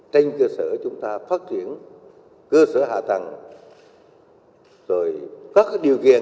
trên cơ sở chúng ta phát triển cơ sở hạ tầng các điều kiện